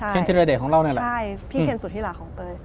เคนทิรดเดชของเราเนี่ยแหละพี่เคนสุธิหลักของเตย